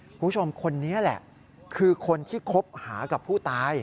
คุณผู้ชมคนนี้แหละคือคนที่คบหากับผู้ตาย